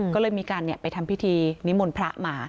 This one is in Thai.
ก็เลยมีการไปทำพิธีนิมนต์พระมา